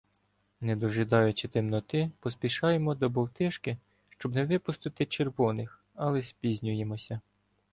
Не дожидаючи темноти, поспішаємо до Бовтишки, щоб не випустити червоних, але спізнюємося.